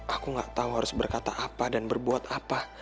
aku gak tahu harus berkata apa dan berbuat apa